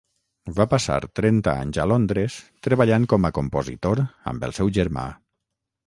Va passar trenta anys a Londres treballant com a compositor amb el seu germà.